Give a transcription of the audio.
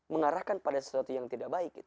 mengarahkan pada sesuatu yang tidak baik